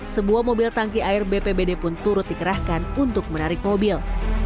sebuah mobil tangki air bpbd pun turut dikerahkan untuk menarik mobil